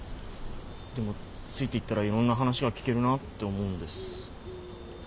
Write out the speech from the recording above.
でもついていったらいろんな話が聞けるなって思うんです。